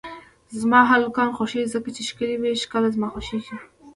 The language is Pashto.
زما هلکان خوښیږی ځکه چی ښکلی وی ښکله زما خوشه ده